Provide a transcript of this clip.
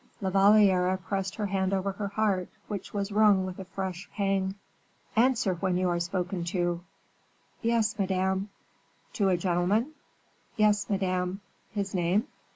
La Valliere pressed her hand over her heart, which was wrung with a fresh pang. "Answer when you are spoken to!" "Yes, madame." "To a gentleman?" "Yes, madame." "His name?"